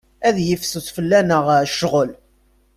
Ad yifsus fell-aneɣ ccɣel.